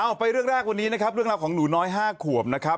ไปเรื่องแรกวันนี้นะครับเรื่องราวของหนูน้อย๕ขวบนะครับ